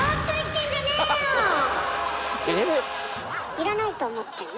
いらないと思ってんの？